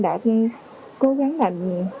đã cố gắng làm